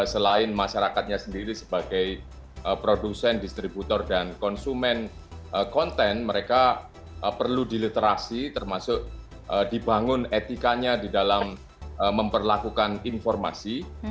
selain masyarakatnya sendiri sebagai produsen distributor dan konsumen konten mereka perlu diliterasi termasuk dibangun etikanya di dalam memperlakukan informasi